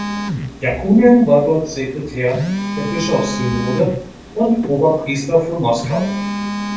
Jakunin war dort Sekretär der Bischofssynode und Oberpriester für Moskau.